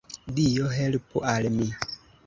Dio, helpu al mi!